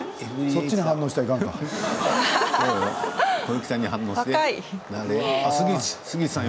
そっちに反応したらいかん。